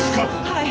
はい。